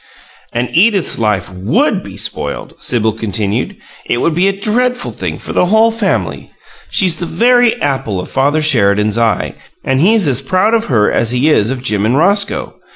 "And Edith's life WOULD be spoiled," Sibyl continued. "It would be a dreadful thing for the whole family. She's the very apple of Father Sheridan's eye, and he's as proud of her as he is of Jim and Roscoe.